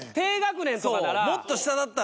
そうもっと下だったら。